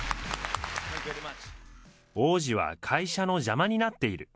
王子は会社の邪魔になっている。